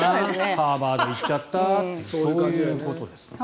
ハーバード行っちゃったとそういうことですね。